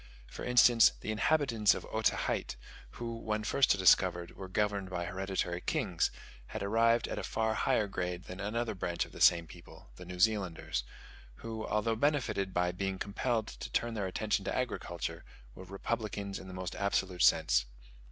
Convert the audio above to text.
For instance, the inhabitants of Otaheite, who, when first discovered, were governed by hereditary kings, had arrived at a far higher grade than another branch of the same people, the New Zealanders, who, although benefited by being compelled to turn their attention to agriculture, were republicans in the most absolute sense.